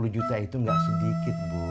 lima puluh juta itu gak sedikit bu